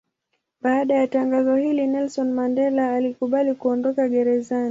Baada ya tangazo hili Nelson Mandela alikubali kuondoka gerezani.